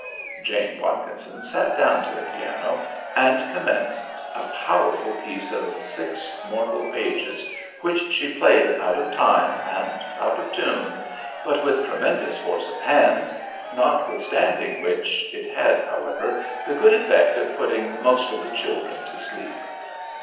Jane Watkinson sat down to the piano and commenced a powerful piece of six mortal pages, which she played out of time and out of tune; but with tremendous force of hands; notwithstanding which, it had, however, the good effect of putting most of the children to sleep.